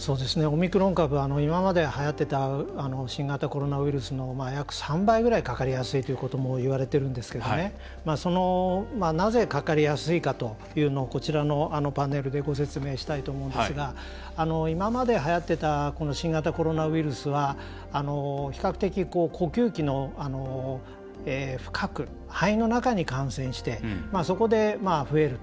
オミクロン株は今まで、はやっていた新型コロナウイルスの約３倍ぐらいかかりやすいということもいわれてるんですけどなぜ、かかりやすいかというのをこちらのパネルでご説明したいと思うんですが今まで、はやっていた新型コロナウイルスは比較的呼吸器の深く、肺の中に感染してそこで増えると。